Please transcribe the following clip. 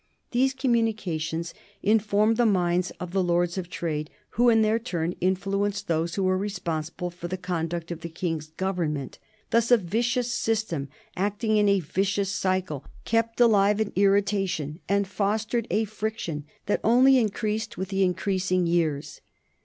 These communications informed the minds of the Lords of Trade, who in their turn influenced those who were responsible for the conduct of the King's Government. Thus a vicious system, acting in a vicious circle, kept alive an irritation and fostered a friction that only increased with the increasing years.